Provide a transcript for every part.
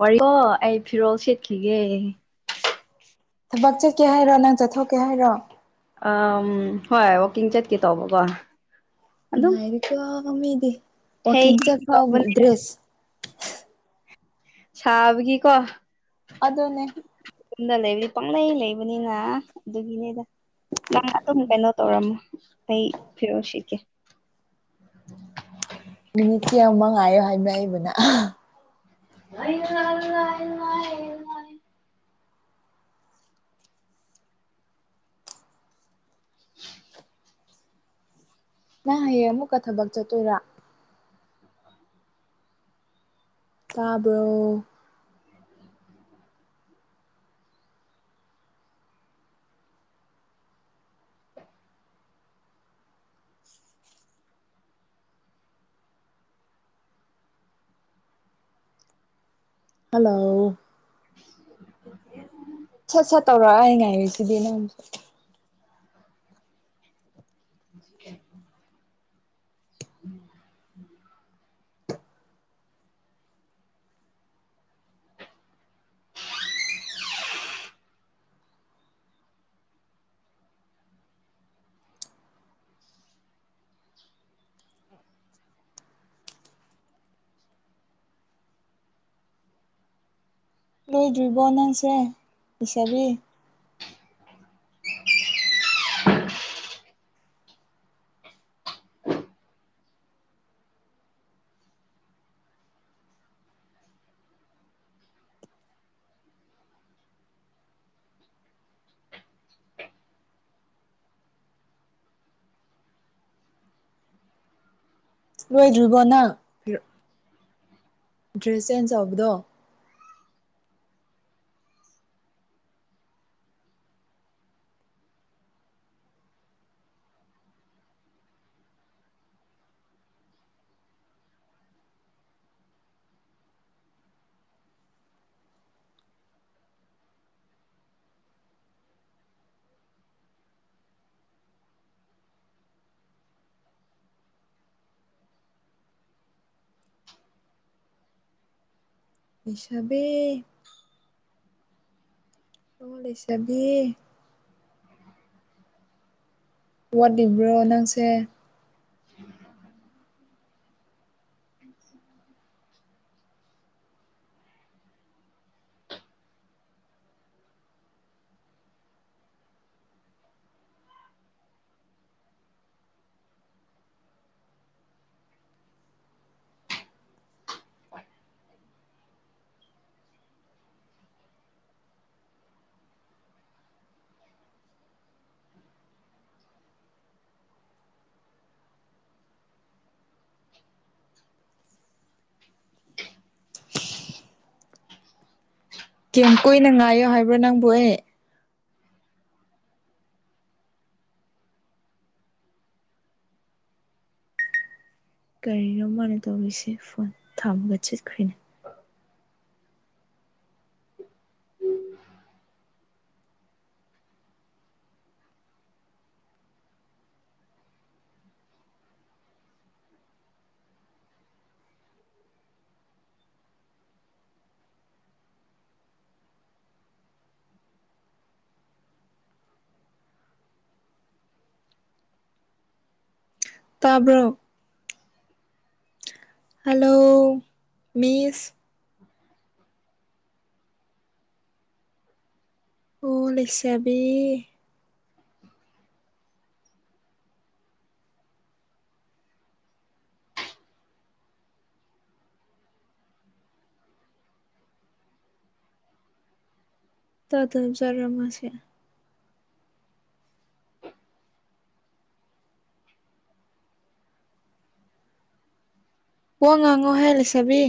ꯋꯥꯔꯤ ꯑꯩ ꯐꯤꯔꯣꯜ ꯁꯦꯠꯈꯤꯒꯦ ꯊꯕꯛ ꯆꯠꯀꯦ ꯍꯥꯏꯔꯣ ꯅꯪ ꯆꯠꯊꯣꯛꯀꯦ ꯍꯥꯏꯔꯣ ꯎꯝ ꯍꯣꯏ ꯋꯀꯤꯡ ꯆꯠꯀꯦ ꯇꯧꯕꯀꯣ ꯑꯗꯨꯝ ꯅꯨꯡꯉꯥꯏꯗꯀꯣ ꯃꯤꯁꯤ ꯍꯦꯛ ꯋꯥꯛꯀꯤꯡ ꯍꯦꯛ ꯆꯠꯐꯥꯎ ꯇꯧꯕꯅꯤ ꯗ꯭ꯔꯦꯁ ꯁꯥꯕꯒꯤ ꯀꯣ ꯑꯗꯨꯅꯦ ꯌꯨꯝꯗ ꯂꯩꯕꯗꯤ ꯄꯪꯂꯩ ꯂꯩꯕꯅꯤꯅ ꯑꯗꯨꯒꯤꯅꯦꯗ ꯅꯪ ꯑꯗꯨꯝ ꯀꯩꯅꯣ ꯇꯧꯔꯝꯃꯣ ꯑꯩ ꯐꯤꯔꯣꯜꯁꯦꯠꯀꯦ [inaudible] ꯃꯤꯅꯤꯠꯁꯤ ꯌꯧꯕ ꯉꯥꯏꯌꯣ ꯍꯥꯏꯕ ꯑꯩꯕꯨꯅ ꯂꯩ ꯂꯥꯏ ꯂꯥꯏ ꯂꯥꯏ ꯅꯪ ꯍꯌꯦꯡ ꯑꯃꯨꯛꯀ ꯊꯕꯛ ꯆꯠꯇꯣꯏꯔꯥ ꯇꯥꯕ꯭ꯔꯣ ꯍꯜꯂꯣ ꯁꯠ ꯁꯠ ꯇꯧꯔꯛ ꯑꯩ ꯉꯥꯏꯔꯏ ꯁꯤꯗꯤ ꯅꯪꯁ ꯎꯝ ꯂꯣꯏꯗ꯭ꯣꯏꯔꯤꯕꯣ ꯅꯪꯁꯦ ꯄꯁꯕꯤ ꯂꯣꯏꯗ꯭ꯔꯤꯕꯣ ꯅꯪꯔ ꯗ꯭ꯔꯦꯁ ꯁꯦꯟꯁ ꯑꯣꯐ ꯗꯣ ꯄꯁꯕ ꯇꯉ ꯂꯩꯁꯕꯤ ꯋꯥꯠꯂꯤꯕ꯭ꯔꯣ ꯅꯪꯁꯦ [inaudible] ꯀꯩ ꯀꯨꯏꯅ ꯉꯥꯏꯌꯣ ꯍꯥꯏꯕ꯭ꯔꯥ ꯅꯪꯕꯨ ꯑꯦ ꯀꯔꯤꯅꯣ ꯃꯥꯅ ꯇꯧꯔꯤꯁꯦ ꯐꯣꯟ ꯊꯥꯃꯒ ꯆꯠꯈ꯭ꯔꯔꯤꯅꯦ ꯇꯥꯕ꯭ꯔꯣ ꯍꯜꯂꯣ ꯃꯤꯁ ꯑꯣ ꯂꯩꯁꯕꯤ ꯇꯗꯖꯔꯔ ꯃꯥꯁꯦ ꯋꯥ ꯉꯥꯡꯉꯣ ꯍꯥꯏ ꯂꯩꯁꯥꯕꯤ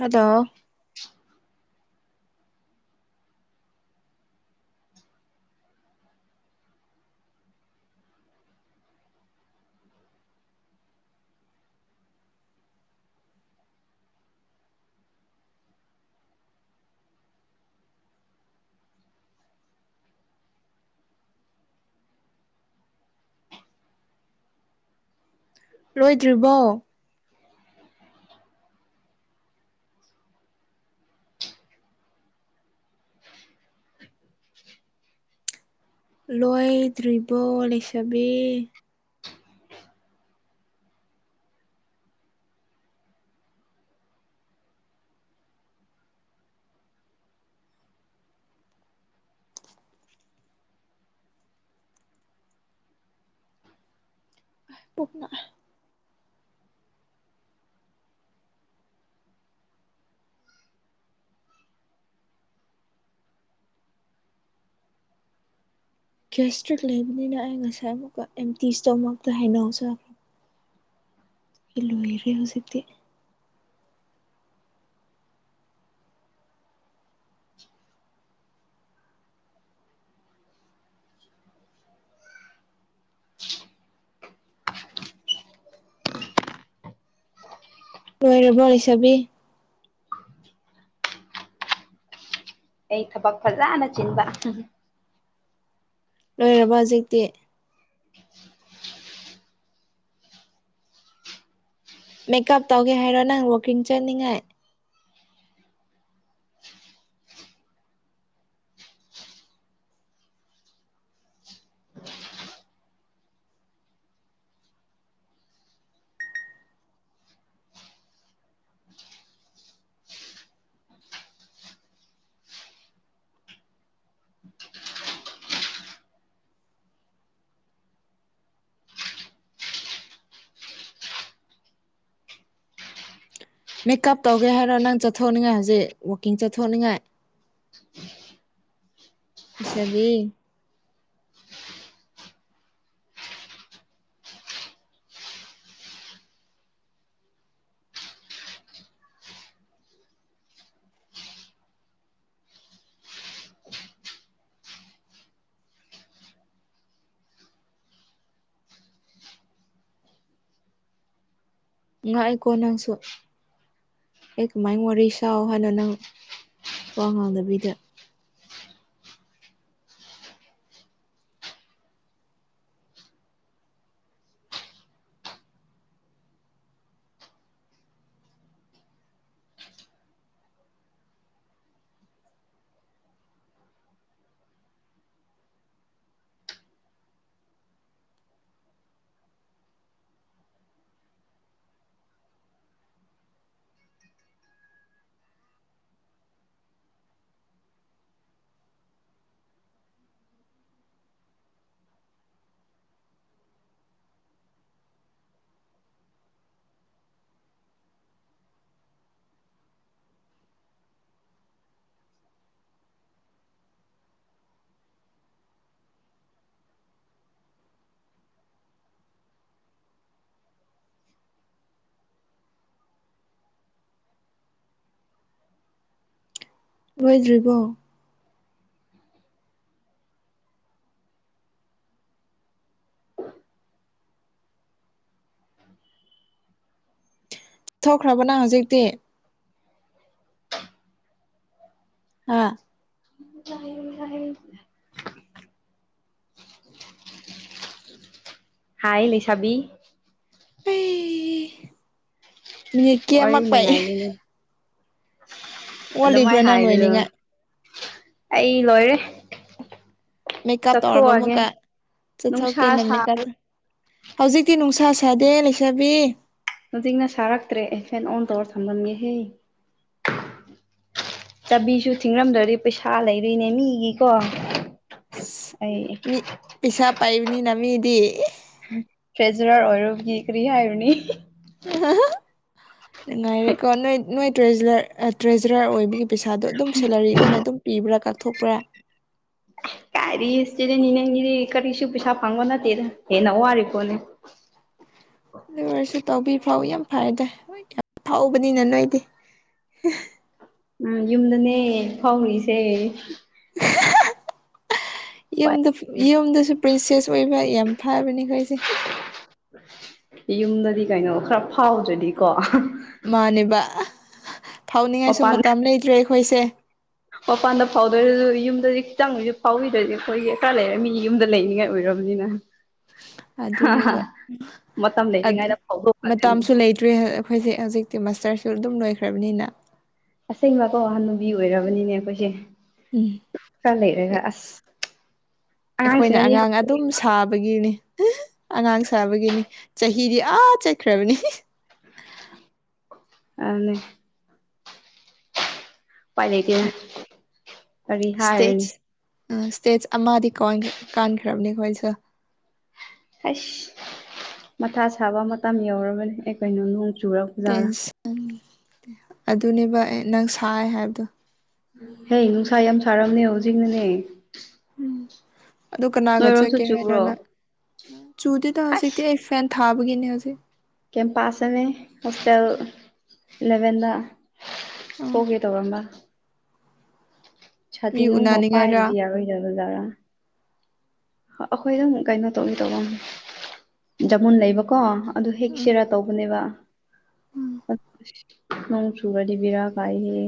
ꯍꯂꯣ ꯂꯣꯏꯗ꯭ꯔꯤꯕꯣ ꯂꯣꯏꯗ꯭ꯔꯤꯕꯣ ꯂꯩꯁꯕꯤ ꯄꯨꯣꯛꯅ ꯀꯦꯁꯇ꯭ꯔꯤꯠ ꯂꯩꯕꯅꯤꯅ ꯑꯩ ꯉꯁꯥꯏ ꯑꯃꯨꯛꯀ ꯑꯦꯝꯇꯤꯁꯇꯃꯛꯇ ꯍꯥꯏꯩꯅꯖꯒꯦ ꯏꯂꯣ ꯍꯔꯤ ꯍꯧꯎꯁꯤꯇꯦ [inaudible] ꯂꯣꯏꯔꯕꯣ ꯂꯩꯁꯥꯕꯤ ꯑꯩ ꯊꯕꯛ ꯐꯖꯥ ꯅ ꯆꯤꯟꯕ ꯂꯣꯏꯔꯕ ꯍꯧꯖꯤꯛꯇꯤ ꯃꯦꯀꯞ ꯇꯧꯒꯦ ꯍꯥꯏꯔꯣ ꯅꯪ ꯋꯥꯛꯀꯤꯡ ꯆꯠꯅꯤꯡꯉꯥꯏ ꯃꯦꯀꯀꯞ ꯇꯧꯒꯦ ꯍꯥꯏꯔꯣ ꯅꯪ ꯆꯠꯊꯣꯛꯅꯤꯡꯉꯥꯏ ꯍꯧꯖꯤꯛ ꯋꯥꯛꯀꯤꯡ ꯆꯠꯊꯣꯛꯅꯤꯡꯉꯥꯏ ꯏꯁꯥꯕꯤ ꯉꯥꯛꯑꯦꯀꯣ ꯅꯪꯁꯨ ꯑꯦ ꯀꯃꯥꯏ ꯋꯥꯔꯤ ꯁ ꯍꯥꯏꯅꯣ ꯅꯪ ꯄꯋꯥ ꯉꯥꯡꯗꯕꯤꯗ ꯑꯣꯏꯣꯏꯗ꯭ꯔꯤꯕꯣ [inaudible] ꯊꯣꯛꯈ꯭ꯔꯕꯅ ꯍꯧꯖꯤꯛꯇꯤ ꯍꯥꯥ [inaudible] ꯍꯥꯏ ꯂꯩꯁꯥꯕꯤ ꯑꯩ ꯃꯤꯅꯤꯠ ꯋꯥꯔꯤ ꯀꯃꯛꯄ ꯑꯗꯨꯃꯥꯏꯅ ꯅꯪ ꯍꯥꯏꯒꯅꯨ ꯂꯣꯏꯅꯤꯡꯉꯥꯏ ꯑꯩ ꯂꯣꯏꯔꯦ ꯃꯦꯀꯞ ꯇꯧꯔꯕ ꯆꯠꯊꯣꯛꯑꯒꯦ ꯑꯃꯨꯛꯀ ꯅꯨꯡꯁꯥ ꯆꯠꯊꯣꯛꯀꯦꯅ ꯃꯦꯀꯞ ꯁꯥꯕ ꯍꯧꯖꯤꯛꯇꯤ ꯅꯨꯡꯁꯤ ꯑꯁꯗꯦ ꯂꯩꯁꯥꯕꯤ ꯍꯧꯖꯤꯛꯅ ꯁꯥꯔꯛꯇ꯭ꯔꯦ ꯑꯩ ꯐꯦꯟ ꯑꯣꯟ ꯇꯧꯔ ꯊꯝꯂꯝꯒꯦꯍꯦ ꯆꯥꯕꯤꯁꯨ ꯊꯤꯡꯉꯝꯗꯣꯗꯤ ꯄꯩꯁꯥ ꯂꯩꯔꯣꯏꯅꯦ ꯃꯤꯒꯤꯀꯣ ꯑꯩ ꯃꯤ ꯄꯤꯁꯥ ꯄꯥꯏꯕꯅ ꯃꯤꯗꯤ ꯐꯦꯖꯨꯔꯔ ꯑꯣꯏꯔꯒꯤ ꯀꯔꯤꯍꯥꯏꯔꯅꯤ ꯅꯨꯡꯉꯥꯏꯔꯦꯀꯣ ꯅꯣꯏ ꯅꯣꯏ ꯇ꯭ꯔꯦꯖꯔꯔ ꯑꯣꯏꯕꯒꯤ ꯄꯩꯁꯥꯗꯣ ꯑꯗꯨꯝ ꯁꯦꯂꯔꯤ ꯑꯣꯏꯅ ꯑꯗꯨꯝ ꯄꯤ ꯂꯩꯕ꯭ꯔꯥ ꯀꯥꯊꯣꯛꯄ꯭ꯔꯥ [inaudible] ꯀꯔꯤꯇꯗꯤ ꯅꯅꯦꯒꯤꯗꯤ ꯀꯔꯤꯁꯨ ꯄꯩꯁꯥ ꯐꯪꯕ ꯅꯠꯇꯦꯗ ꯍꯦꯟꯅ ꯋꯥꯦ ꯄꯣꯅꯦ ꯑꯗꯨ ꯑꯣꯏꯔꯁꯨ ꯇꯧꯕꯤ ꯐꯥꯎ ꯌꯥꯝ ꯐꯔꯦ ꯑꯗꯨꯣꯏ ꯌꯥꯝ ꯐꯥꯎꯕꯅꯤꯅ ꯅꯣꯏꯗꯤ ꯎꯝ ꯌꯨꯝꯗꯅꯦ ꯐꯥꯎꯔꯤꯁꯦ ꯌꯨꯝꯗ ꯌꯨꯝꯗꯁꯨ ꯄ꯭ꯔꯤꯟꯁꯦꯁ ꯑꯣꯏꯕ ꯌꯥꯝ ꯐꯥꯕꯅꯦꯈꯣꯏꯁꯦ ꯌꯨꯝꯗꯗꯤ ꯀꯩꯅꯣ ꯈꯔ ꯐꯥꯎꯗ꯭ꯔꯗꯤꯀꯣ ꯃꯥꯅꯤꯕ ꯐꯥꯎꯅꯤꯡꯉꯥꯏꯁꯨ ꯃꯄꯥꯟ ꯃꯇꯝ ꯂꯩꯇ꯭ꯔꯦ ꯑꯩꯈꯣꯏꯁꯦ ꯃꯄꯥꯟꯗ ꯐꯥꯎꯗ꯭ꯔꯁꯨ ꯌꯨꯝꯗꯗꯤ ꯈꯤꯇꯪꯁꯨ ꯐꯥꯎꯕꯤꯗ꯭ꯔꯗꯤ ꯑꯩꯈꯣꯏꯒꯤ ꯀꯀꯥ ꯂꯩꯔ ꯃꯤ ꯌꯨꯝꯗ ꯂꯩꯅꯤꯉꯥꯏ ꯑꯣꯏ ꯔꯝꯅꯤꯅ ꯑꯗꯨꯅꯦꯕ ꯃꯇꯝ ꯂꯩꯔꯤꯉꯩꯗ ꯐꯥꯎꯗꯣꯛꯈ꯭ꯔꯗꯣꯏꯅꯤ ꯃꯇꯝꯁꯨ ꯂꯩꯇ꯭ꯔꯤ ꯑꯩꯈꯣꯏꯁꯦ ꯍꯧꯖꯤꯛꯇꯤ ꯃꯥꯁꯇꯔ ꯁ ꯑꯗꯨꯝ ꯂꯣꯏꯈ꯭ꯔꯕꯅꯤꯅ ꯑꯁꯦꯡꯕꯀꯣ ꯋꯥꯍꯟ ꯅꯨꯨꯕꯤ ꯑꯣꯏꯔꯕꯅꯤꯅꯦ ꯑꯩꯈꯣꯏꯁꯦ ꯎꯝ ꯈꯔ ꯂꯩꯔꯒ ꯑꯁ ꯑꯩꯈꯣꯏꯅ ꯑꯉꯥꯡꯁꯤꯅꯗꯤ ꯑꯉꯥꯡ ꯑꯗꯨꯝ ꯁꯥꯕꯒꯤꯅꯤ ꯑꯉꯥꯡ ꯁꯥꯕꯒꯤꯅꯤ ꯆꯍꯤꯗꯤ ꯑꯥ ꯆꯠꯈ꯭ꯔꯕꯅꯤ ꯑꯅꯤ ꯄꯥꯏ ꯂꯩꯀꯦ ꯀꯔꯤ ꯍꯥꯏꯔꯅꯤ ꯏꯁꯇꯦꯖ ꯑꯃꯗꯤ ꯀꯥꯟꯈ꯭ꯔꯕꯅꯤ ꯈꯣ ꯑꯩꯁꯦ ꯍꯁ ꯃꯊꯥ ꯁꯥꯕ ꯃꯇꯝ ꯌꯧꯔꯕꯅꯤ ꯑꯦ ꯀꯩꯅꯣ ꯅꯣꯡ ꯆꯔꯖꯔ ꯇꯦꯟꯁ ꯑꯗꯨꯅꯦꯕ ꯑꯦ ꯅꯪ ꯁꯥꯏ ꯍꯥꯏꯕꯗꯣ ꯍꯦ ꯅꯨꯡꯁꯥ ꯌꯥꯝ ꯁꯥꯔꯝꯅꯦ ꯍꯧꯖꯤꯛꯅꯅꯦ ꯎꯝ ꯑꯗꯨ ꯀꯅꯥꯒ ꯅꯣꯏꯔꯣꯝꯁꯨ ꯆꯠꯀꯦ ꯆꯨꯕ꯭ꯔꯣ ꯍꯥꯏꯅꯅ ꯆꯨꯗꯤꯗ ꯍꯧ ꯁꯤ ꯐꯥꯏꯦꯟ ꯊꯥꯄꯒꯅꯤ ꯑꯁꯤ ꯀ ꯄꯥꯁꯅꯦ ꯍꯣꯁꯇꯦꯜ ꯂꯕꯦꯟꯗ ꯑꯥ ꯍꯒꯦ ꯇꯧꯔꯝꯕ ꯁꯇꯤ ꯃꯤ ꯅꯨꯡꯃ ꯎꯅꯅꯤꯡꯉꯥꯏꯔ ꯄꯥꯏꯗꯗꯤ ꯌꯥꯔꯣꯏꯗꯕꯖꯔꯥ ꯑꯩꯈꯣꯏ ꯑꯗꯨꯝ ꯀꯩꯅꯣ ꯇꯧꯅꯤ ꯇꯧꯕ ꯖꯃꯨꯟ ꯂꯩꯕꯀꯣ ꯑꯗꯨ ꯍꯦꯛ ꯎꯝ ꯁꯤꯔꯥ ꯇꯧꯕꯅꯦꯕ ꯎꯝ ꯃꯪ ꯆꯨꯔꯗꯤ ꯕꯤꯔ ꯀꯥꯏ ꯍ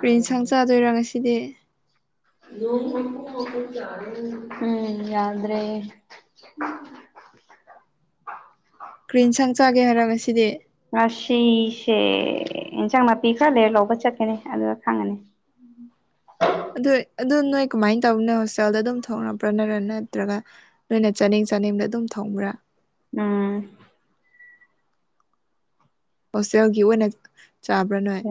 ꯄꯦꯟꯁꯥꯡ ꯆꯥꯗꯣꯏꯔꯥ ꯉꯁꯤꯗꯤ ꯎꯝ ꯌꯥꯎꯗ꯭ꯔꯦ [inaudible] ꯀ꯭ꯔꯤꯟ ꯁꯪ ꯆꯒꯦ ꯍꯥꯏꯔ ꯉꯁꯤꯗꯤ ꯉꯁꯤꯁꯦ ꯏꯟꯁꯥꯡ ꯅꯥꯄꯤ ꯈꯔ ꯂꯩꯔ ꯂꯧꯕ ꯆꯠꯀꯅꯤ ꯑꯗꯨꯒ ꯈꯪꯉꯅꯤ [inaudible] ꯑꯗꯨꯝ ꯅꯣꯏ ꯀꯃꯥꯏꯅ ꯇꯧꯅ ꯍꯣꯁꯇꯦꯜꯗ ꯑꯗꯨꯝ ꯊꯣꯡꯄ꯭ꯔꯅꯔꯥ ꯅꯠꯇ꯭ꯔꯒ ꯅꯣꯏꯅ ꯆꯥꯅꯤꯡ ꯆꯥꯅꯤꯡꯗ ꯑꯗꯨꯝ ꯊꯣꯡꯕ꯭ꯔꯥ ꯎꯝ ꯍꯣꯁꯇꯦꯜꯒꯤ ꯑꯣꯏꯅ ꯆꯥꯕ꯭ꯔꯥ ꯅꯣꯏ